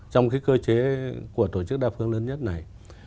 trong cái cơ chế của tổ chức đa phương lớn nhất này